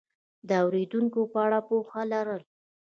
د اورېدونکو په اړه پوهه لرل